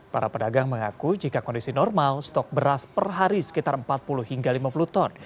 para pedagang mengaku jika kondisi normal stok beras per hari sekitar empat puluh hingga lima puluh ton